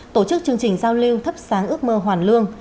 tổ chức chương trình giao lưu thắp sáng ước mơ hoàn lương